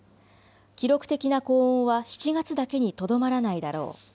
記録的な高温は７月だけにとどまらないだろう。